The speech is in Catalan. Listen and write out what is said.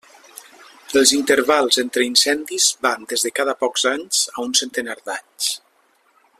Els intervals entre incendis van des de cada pocs anys a un centenar d'anys.